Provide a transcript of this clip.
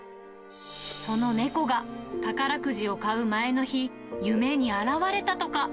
その猫が、宝くじを買う前の日、夢に現れたとか。